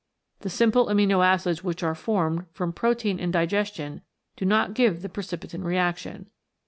The simple amino acids which are formed from protein in digestion do not give the precipitin reaction.